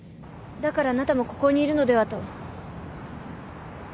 だからあなたもここにいるのではと。